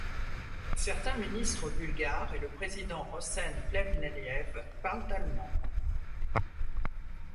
Certains ministres bulgares et le président Rossen Plevneliev parlent allemand.